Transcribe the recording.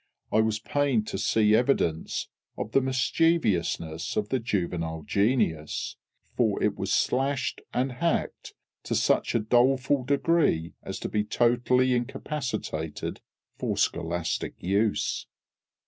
I was pained to see evidence of the mischievousness of the juvenile genius, for it was slashed and hacked to such a doleful degree as to be totally incapacitated for scholastic use!